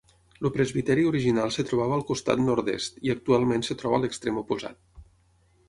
El presbiteri original es trobava al costat nord-est i actualment es troba a l'extrem oposat.